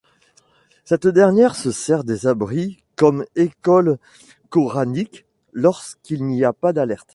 Cette dernière se sert des abris comme écoles coraniques lorsqu'il n'y a pas d'alerte.